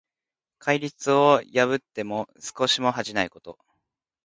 戒律を破っても少しも恥じないこと。